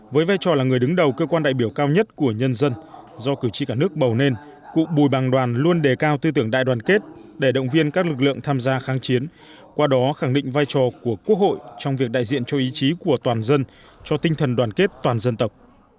với vai trò là người đứng đầu cơ quan đại biểu cao nhất của nhân dân do cử tri cả nước bầu nên cụ bùi bằng đoàn luôn đề cao tư tưởng đại đoàn kết để động viên các lực lượng tham gia kháng chiến qua đó khẳng định vai trò của quốc hội trong việc đại diện cho ý chí của toàn dân cho tinh thần đoàn kết toàn dân tộc